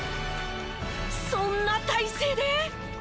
そんな体勢で！？